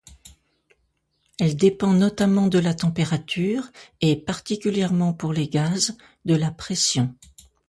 Elle dépend notamment de la température et, particulièrement pour les gaz, de la pression.